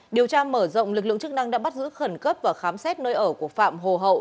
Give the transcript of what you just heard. điều tra mở rộng lực lượng chức năng đã bắt giữ khẩn cấp và khám xét nơi ở của phạm hồ hậu